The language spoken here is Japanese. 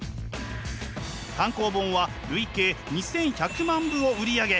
単行本は累計２，１００万部を売り上げ堂々完結。